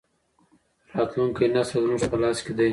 راتلونکی نسل زموږ په لاس کې دی.